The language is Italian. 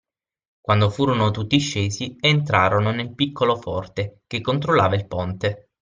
Quando furono tutti scesi, entrarono nel piccolo forte che controllava il ponte